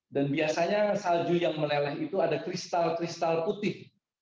dan biasanya salju yang meleleh itu ada kristal kristal putih